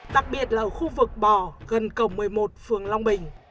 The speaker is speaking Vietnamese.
đặc biệt là ở khu vực bò gần cổng một mươi một phường long bình